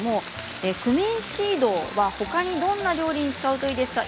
クミンシードはほかにどんな料理に使うといいですか？